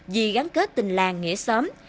vì gắn kết tình làng nghĩa xóm